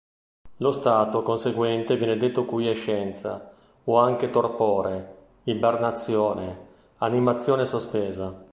Lo stato conseguente viene detto quiescenza, o anche torpore, ibernazione, animazione sospesa.